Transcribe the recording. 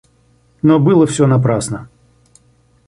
Но было всё напрасно.